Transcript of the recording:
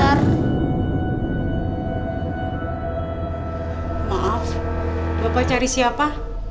maaf bapak cari siapa